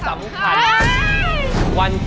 ไม่กินเป็นร้อย